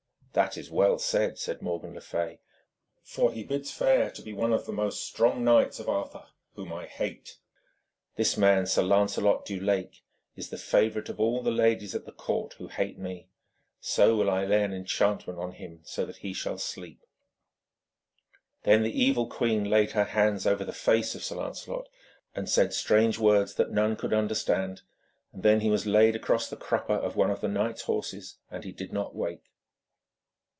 'That is well said,' said Morgan le Fay, 'for he bids fair to be one of the most strong knights of Arthur, whom I hate. This man, Sir Lancelot du Lake, is the favourite of all the ladies at that court, who hate me. So will I lay an enchantment on him, so that he shall sleep.' Then the evil queen laid her hands over the face of Sir Lancelot, and said strange words that none could understand, and then he was laid across the crupper of one of the knights' horses, and he did not wake.